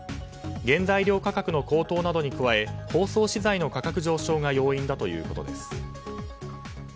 原材料価格の高騰などに加え包装資材の価格上昇が要因だということです。